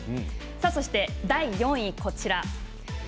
そして第４位は、こちらです。